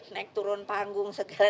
naik turun panggung segala